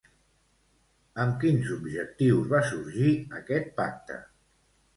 Amb quins objectius va sorgir aquest pacte?